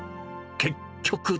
結局。